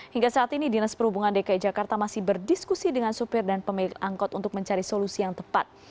hingga saat ini dinas perhubungan dki jakarta masih berdiskusi dengan supir dan pemilik angkut untuk mencari solusi yang tepat